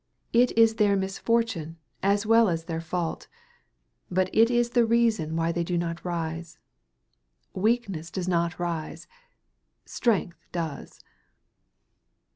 It is their misfortune as well as their fault; but it is the reason why they do not rise. Weakness does not rise; strength does.